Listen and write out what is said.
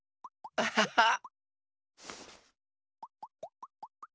アハハハッ。